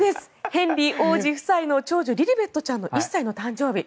ヘンリー王子夫妻の長女リリベットちゃん１歳の誕生日。